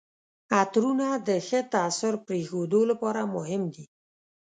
عطرونه د ښه تاثر پرېښودو لپاره مهم دي.